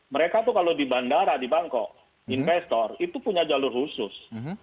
mereka tuh kalau di bandara di bangkok investor itu punya jalur khusus